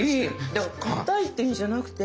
でもかたいって意味じゃなくて。